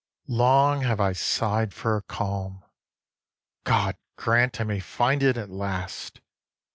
Long have I sigh'd for a calm: God grant I may find it at last!